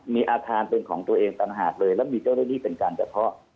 มีอาคารเป็นของตัวเองต่างหากเลยแล้วมีเจ้าหน้าที่เป็นการกระเพาะ